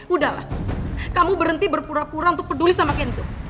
udahlah kamu berhenti berpura pura untuk peduli sama kenzo